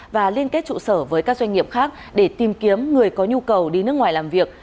và liên kết trụ sở với các doanh nghiệp khác để tìm kiếm người có nhu cầu đi nước ngoài làm việc